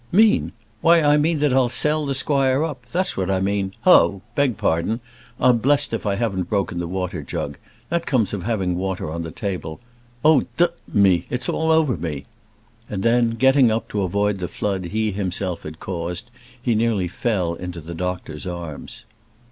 "Mean! why I mean that I'll sell the squire up; that's what I mean hallo beg pardon. I'm blessed if I haven't broken the water jug. That comes of having water on the table. Oh, d me, it's all over me." And then, getting up, to avoid the flood he himself had caused, he nearly fell into the doctor's arms.